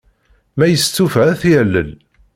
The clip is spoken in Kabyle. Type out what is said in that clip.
Ma yestufa, ad t-yalel.